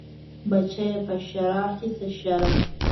بچيه په شرع کې څه شرم.